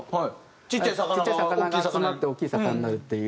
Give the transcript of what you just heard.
ちっちゃい魚が集まって大きい魚になるっていう。